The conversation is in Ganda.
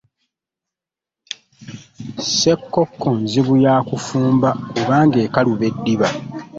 Ssekoko nzibu yafumba kubanga ekaluba eddiba